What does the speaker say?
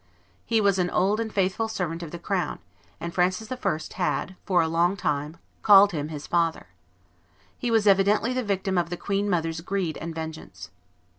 He was an old and faithful servant of the crown; and Francis I. had for a long time called him "his father." He was evidently the victim of the queen mother's greed and vengeance.